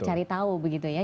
cari tahu begitu ya